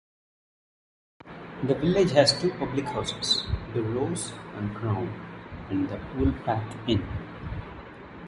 The village has two public houses: The Rose and Crown and The Woolpack Inn.